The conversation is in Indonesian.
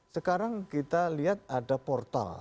sekarang kita lihat ada portal